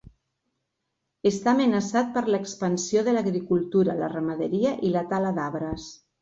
Està amenaçat per l'expansió de l'agricultura, la ramaderia i la tala d'arbres.